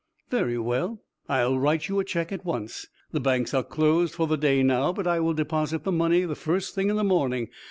"Very well. I will write you a check at once. The banks are closed for the day now, but I will deposit the money the first thing in the morning.